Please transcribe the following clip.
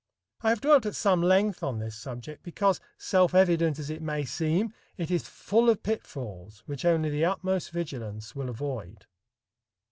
I have dwelt at some length on this subject because, self evident as it may seem, it is full of pitfalls which only the utmost vigilance will avoid.